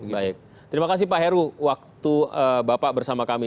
baik terima kasih pak heru waktu bapak bersama kami